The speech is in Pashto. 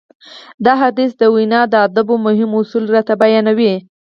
دا حديث د وينا د ادابو مهم اصول راته بيانوي.